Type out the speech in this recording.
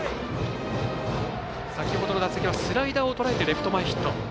先ほどの打席はスライダーをとらえてレフト前ヒット。